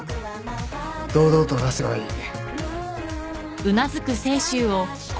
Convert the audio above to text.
堂々と出せばいい。